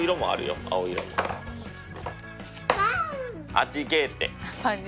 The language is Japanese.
「あっち行け」って！